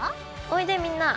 おいでみんな！